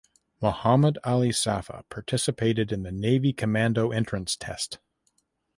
Mohammad Ali Safa participated in the Navy commando entrance test.